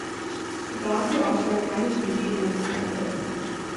The gods were awestruck by his beauty and admired it.